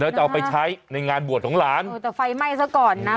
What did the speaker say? เบิ้ล่ะจะเอาไปใช้ในงานบวดของหลานเจ้าก็เอาไปใช้ในงานบวดของหลาน